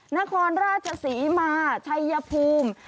นครราชศรีมาชัยภูมิ